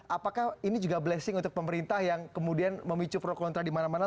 apakah ini juga blessing untuk pemerintah yang kemudian memicu pro kontra di mana mana